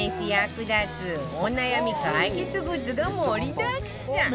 お悩み解決グッズが盛りだくさん